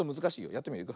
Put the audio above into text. やってみるよ。